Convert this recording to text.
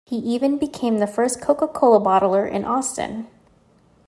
He even became the first Coca-Cola bottler in Austin.